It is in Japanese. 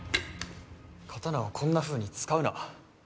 刀をこんなふうに使うな。